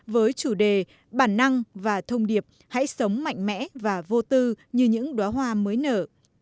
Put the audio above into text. với chủ đề bản năng và thông điệp hãy sống mạnh mẽ và vô tư như những đoá hoa mới nở